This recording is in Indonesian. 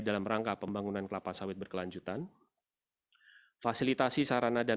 dalam rangka pembangunan kelapa sawit berkelanjutan fasilitasi sarana dan